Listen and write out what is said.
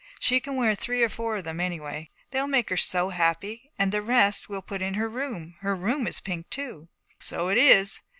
She can wear three or four of them, anyway. They will make her so happy, and the rest we'll put in her room. Her room is pink too.' 'So it is.'